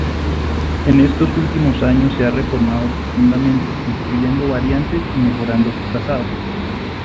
En estos últimos años se ha reformado profundamente construyendo variantes y mejorando su trazado.